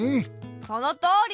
そのとおり！